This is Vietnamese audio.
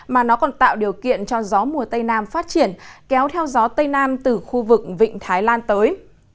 mà nó còn tạo điều kiện cho gió mùa tây nam phát triển kéo theo gió tây nam từ khu vực vịnh thái lan tới